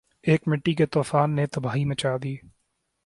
ایک مٹی کے طوفان نے تباہی مچا دی